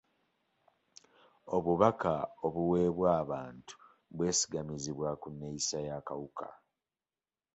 Obubaka obuweebwa abantu bwesigamizibwa ku nneeyisa y'akawuka.